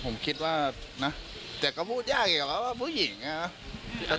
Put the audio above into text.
ใช่ผมคิดว่านะแต่ก็พูดยากเกี่ยวกับว่าผู้หญิง